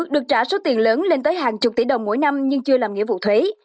được trả số tiền lớn lên tới hàng chục tỷ đồng mỗi năm nhưng chưa làm nghĩa vụ thuế